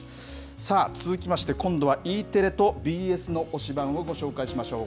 さあ、続きまして、今度はＥテレとＢＳの推しバン！をご紹介しましょう。